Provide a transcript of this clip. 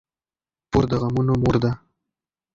پور د غمونو مور ده.